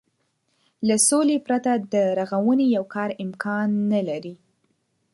له سولې پرته د رغونې يو کار امکان نه لري.